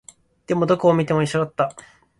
でも、どこを見ても一緒だった